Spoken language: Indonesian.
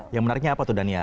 yang menariknya apa tuh dania